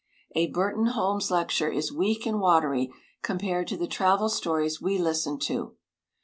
A Burton Holmes lecture is weak and watery compared to the travel stories we listen to.